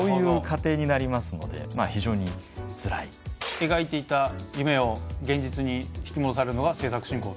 えがいていた夢を現実に引き戻されるのが制作進行と。